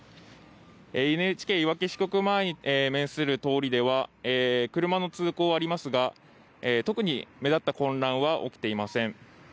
ＮＨＫいわき支局前に面する通りでは車の通行はありますが特に目立った混乱は起きていません。